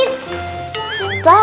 apaan sih ya allah